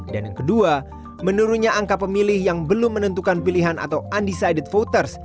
dan yang kedua menurunnya angka pemilih yang belum menentukan pilihan atau undecided voters